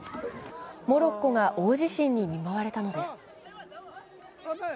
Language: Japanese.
モロッコが大地震に見舞われたのです。